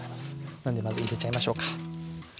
なんでまず入れちゃいましょうか。